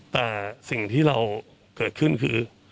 แต่สิ่งที่เราเกิดขึ้นคือ